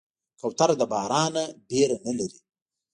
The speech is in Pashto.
کوتره د باران نه ویره نه لري.